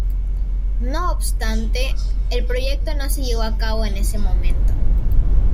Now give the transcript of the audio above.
No obstante, el proyecto no se llevó a cabo en ese momento.